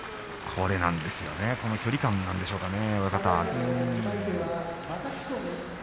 これなんですよね距離感なんですかね。